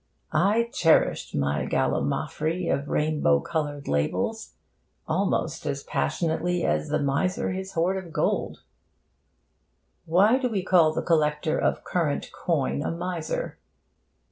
I cherished my gallimaufry of rainbow coloured labels almost as passionately as the miser his hoard of gold. Why do we call the collector of current coin a miser?